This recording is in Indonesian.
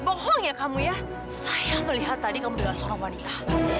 tapi sekali lagi tante lihat kamu dengan suara wanita